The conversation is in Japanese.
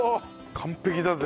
完璧だぜ。